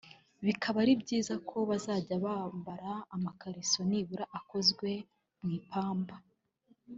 Bikaba ari byiza ko bazajya bambara amakariso nibura akozwe mu ipamba